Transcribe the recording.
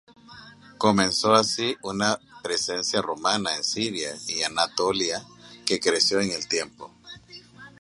Comenzó así una presencia romana en Siria y Anatolia que creció en el tiempo.